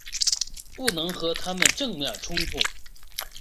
不能和他们正面冲突